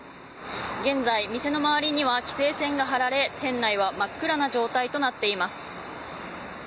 現在、店の周りには規制線が張られ店内は真っ暗な状態となっています。